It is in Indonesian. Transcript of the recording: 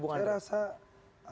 saya rasa tidak